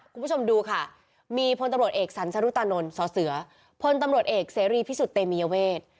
คุณผู้ชมดูค่ะมีพตเอกสันสรุตานนท์สเสือพตเอกเสรีพิสุตเตเมียเวช